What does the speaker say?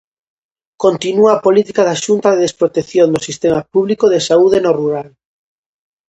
Continúa a política da Xunta de desprotección do sistema público de saúde no rural.